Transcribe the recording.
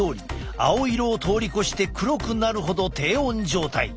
青色を通り越して黒くなるほど低温状態。